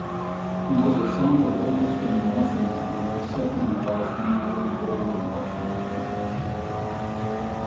He was a son of Augustine Washington and his second wife, Mary Ball Washington.